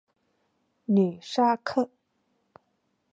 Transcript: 吕萨克。